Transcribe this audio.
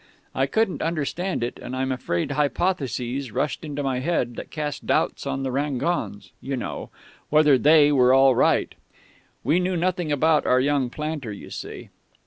I couldn't understand it, and I'm afraid hypotheses rushed into my head that cast doubts on the Rangons you know whether they were all right. We knew nothing about our young planter, you see....